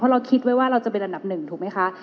เราคิดไว้ว่าเราจะเป็นอันดับหนึ่งถูกไหมคะ